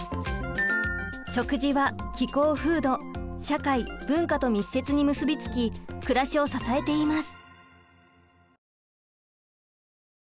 食事は気候風土社会文化と密接に結びつき暮らしを支えています。